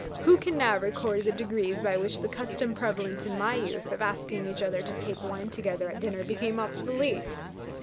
Who can now record the degrees by which the custom prevalent in my youth of asking each other to take wine together at dinner became obsolete?